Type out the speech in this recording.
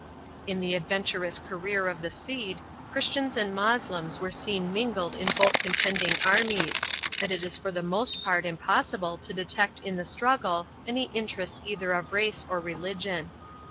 In the adventurous career of the Cid, Christians and Moslems are seen mingled in both contending armies, and it is for the most part impossible to detect in the struggle any interest either of race or religion.